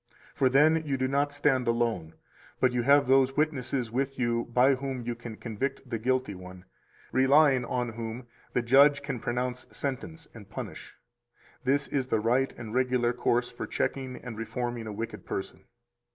For then you do not stand alone, but you have those witnesses with you by whom you can convict the guilty one, relying on whom the judge can pronounce sentence and punish. This is the right and regular course for checking and reforming a wicked person.